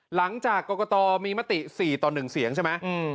หลังจากกรกตมีมติ๔ต่อ๑เสียงใช่ไหม